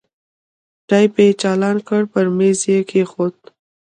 ټېپ يې چالان کړ پر ميز يې کښېښود.